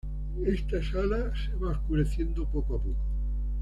Esta sala se va oscureciendo poco a poco.